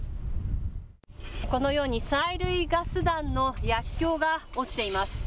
このように催涙ガス弾の薬きょうが落ちています。